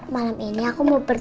malam ini aku mau bertemu